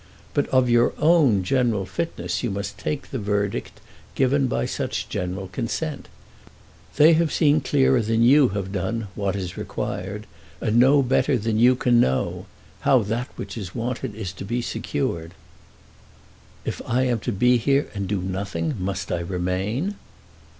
But of your own general fitness you must take the verdict given by such general consent. They have seen clearer than you have done what is required, and know better than you can know how that which is wanted is to be secured." "If I am to be here and do nothing, must I remain?"